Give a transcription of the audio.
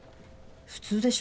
普通でしょ。